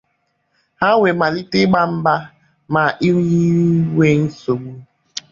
ha wee malite ịba mba na inwe nsogbu